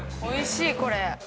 おいしいこれ。